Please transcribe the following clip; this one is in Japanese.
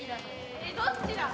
えっどっちだ？